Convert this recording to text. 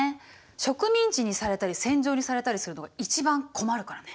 植民地にされたり戦場にされたりするのが一番困るからね。